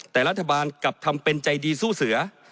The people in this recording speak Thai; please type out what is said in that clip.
แต่รัฐบาลกลับทำเป็นใจดีสู้เสือ